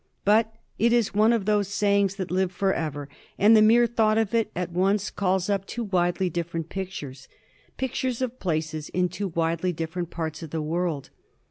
But it is one of those sayings that live forever, and the mere thought of it at once calls up two widely different pictures, pictures of places in two widely differ ent parts of the world.